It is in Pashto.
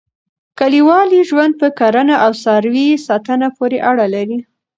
کلیوالي ژوند په کرنه او څاروي ساتنه پورې اړه لري.